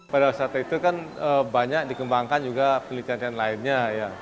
pada saat itu kan banyak dikembangkan juga penelitian lainnya